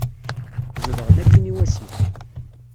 Zedɣen akkin i wasif.